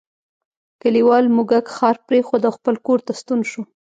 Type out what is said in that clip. کلیوال موږک ښار پریښود او خپل کور ته ستون شو.